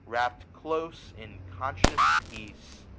Wrapt close in conscious peace.